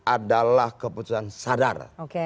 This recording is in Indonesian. adalah keputusan sadar